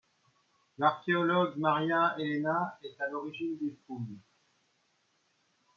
L'archéologue Maria Elena est à l'origine des fouilles.